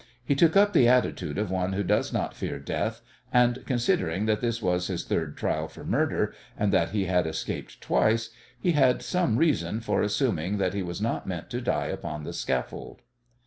He took up the attitude of one who does not fear death, and, considering that this was his third trial for murder and that he had escaped twice, he had some reason for assuming that he was not meant to die upon the scaffold.